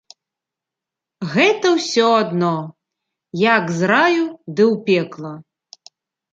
Гэта ўсё адно, як з раю ды ў пекла.